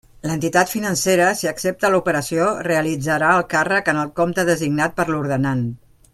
L'entitat financera, si accepta l'operació, realitzarà el càrrec en el compte designat per l'ordenant.